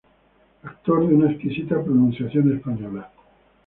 Actor de una exquisita pronunciación española.